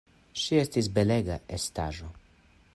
Ŝi estis belega estaĵo.